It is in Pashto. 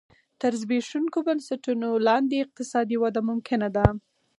تر زبېښونکو بنسټونو لاندې اقتصادي وده ممکنه ده